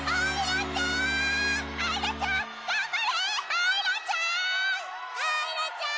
あいらちゃん！